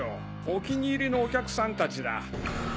お気に入りのお客さんたちだ。